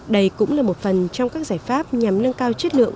đây cũng là một phần trong các giải pháp nhằm nâng cao chất lượng